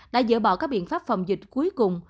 đã dỡ bỏ các biện pháp phòng dịch cuối cùng